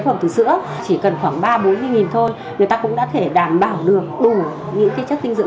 phẩm từ sữa chỉ cần khoảng ba bốn thôi người ta cũng đã thể đảm bảo được đủ những cái chất tinh dưỡng